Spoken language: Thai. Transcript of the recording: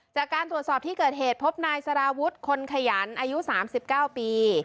จากการตรวจสอบที่เกิดเหตุพบนายสารวุฒิคนขยันอายุ๓๙ปี